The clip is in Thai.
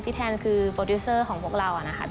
แทนคือโปรดิวเซอร์ของพวกเรานะครับ